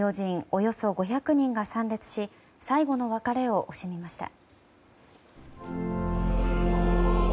およそ５００人が参列し最後の別れを惜しみました。